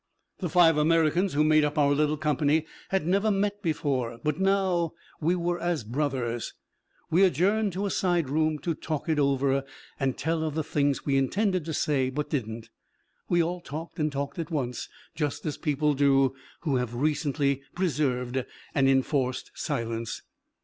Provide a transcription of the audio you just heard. The five Americans who made up our little company had never met before, but now we were as brothers; we adjourned to a side room to talk it over and tell of the things we intended to say but didn't. We all talked and talked at once, just as people do who have recently preserved an enforced silence.